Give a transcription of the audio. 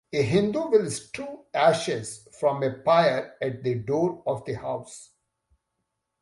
A Hindu will strew ashes from a pyre at the door of the house.